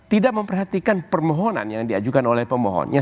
tidak memperhatikan permohonan yang diajukan oleh pemohonnya